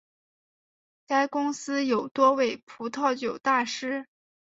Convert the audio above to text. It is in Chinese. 该公司有多位葡萄酒大师。